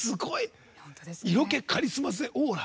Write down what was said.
色気、カリスマ性、オーラ。